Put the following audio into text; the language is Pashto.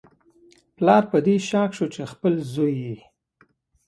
پلار په دې شاک شو چې خپل زوی یې